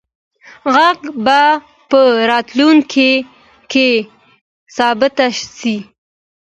غږ به په راتلونکي کې ثبت سي.